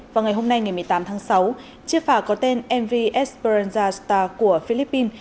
vào ngày hôm nay ngày một mươi tám tháng sáu chiếc phà có tên mv exprenza star của philippines